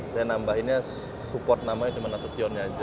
saya nambahinnya support namanya cuma nasutionnya aja